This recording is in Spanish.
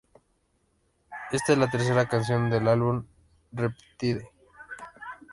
Esta es la tercera canción del álbum Riptide.